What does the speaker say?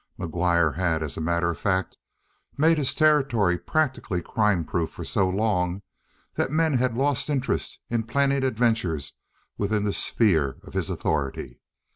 McGuire had, as a matter of fact, made his territory practically crime proof for so long that men had lost interest in planning adventures within the sphere of his authority.